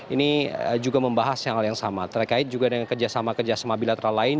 ini juga membahas hal yang sama terkait juga dengan kerjasama kerjasama bilateral lain